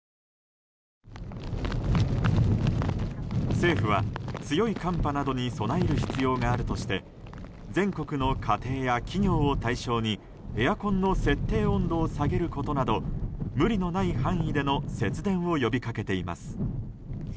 政府は強い寒波などに備える必要があるとして全国の家庭や企業を対象にエアコンの設定温度を下げることなど無理のない範囲での節電を呼びかけています。